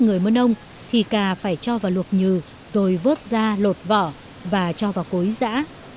người mơ nông thì cà phải cho vào luộc nhừ rồi vớt ra lột vỏ và cho vào cối dã